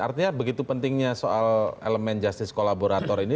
artinya begitu pentingnya soal elemen justice kolaborator ini